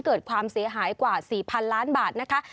เกิดความเสียหายกว่า๔๐๐๐ล้านบาทนะคะ